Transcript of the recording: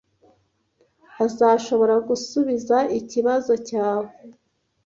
Azashobora gusubiza ikibazo cyawe.